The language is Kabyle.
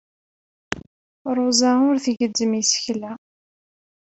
Ṛuza ur tgezzem isekla.